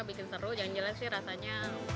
bikin seru jangan jelas sih rasanya